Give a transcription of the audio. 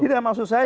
tidak maksud saya